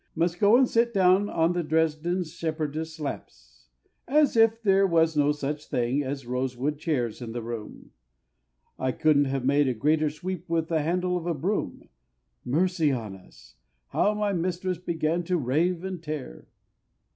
Must go and sit down on the Dresd'n shepherdesses' laps, As if there was no such things as rosewood chairs in the room! I couldn't have made a greater sweep with the handle of the broom. Mercy on us! how my mistress began to rave and tear!